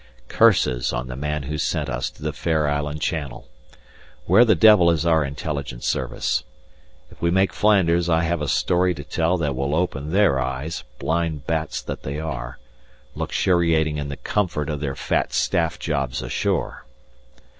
Curses on the man who sent us to the Fair Island Channel. Where the devil is our Intelligence Service? If we make Flanders I have a story to tell that will open their eyes, blind bats that they are, luxuriating in the comfort of their fat staff jobs ashore.